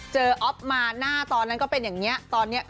เสมอว่าเขาทำไปตั้งเยอะ